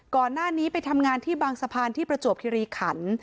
ก่อนหน้านี้ไปทำงานที่บางสะพานที่ประจวบคิริขัน